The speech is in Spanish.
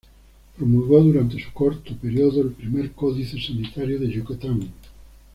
Promulgó durante su corto periodo el primer Códice Sanitario de Yucatán.